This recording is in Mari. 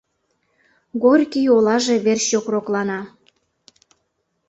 Горький олаже верч йокроклана.